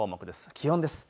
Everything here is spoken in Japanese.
気温です。